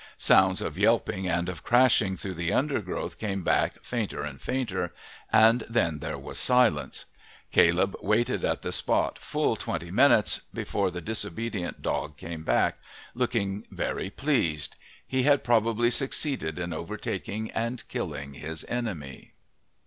Sounds of yelping and of crashing through the undergrowth came back fainter and fainter, and then there was silence. Caleb waited at the spot full twenty minutes before the disobedient dog came back, looking very pleased. He had probably succeeded in overtaking and killing his enemy.